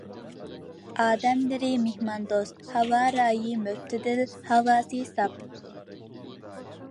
ئادەملىرى مېھماندوست، ھاۋا رايى مۆتىدىل، ھاۋاسى ساپ.